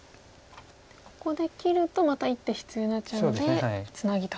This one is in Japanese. ここで切るとまた１手必要になってしまうのでツナギと。